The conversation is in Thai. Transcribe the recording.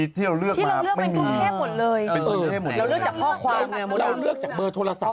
เราเลือกจากเบอร์โทรศัพท์